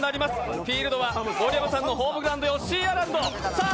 フィールドは盛山さんのホームグラウンドヨッシーアイランドです。